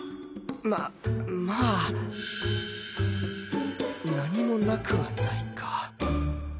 ままあ何もなくはないか。